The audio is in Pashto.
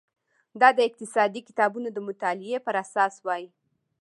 دا د اقتصادي کتابونو د مطالعې پر اساس وای.